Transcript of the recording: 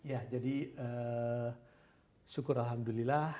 ya jadi syukur alhamdulillah